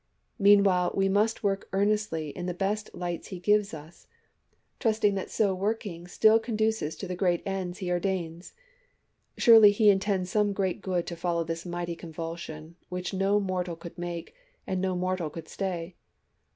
Meanwhile we must work earnestly in the best lights he gives us, trusting LINCOLN AND THE CHURCHES 329 that so working still conduces to the great ends he or chap. xv. dains. Surely he intends some great good to follow this mighty convulsion, which no mortal could make, and no mortal could stay.